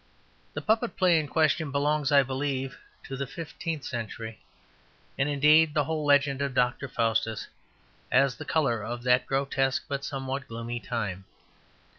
The puppet play in question belongs, I believe, to the fifteenth century; and indeed the whole legend of Dr. Faustus has the colour of that grotesque but somewhat gloomy time.